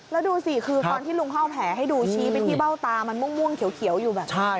แล้วดูสิคือตอนที่ลุงเขาเอาแผลให้ดูชี้ไปที่เบ้าตามันม่วงเขียวอยู่แบบนี้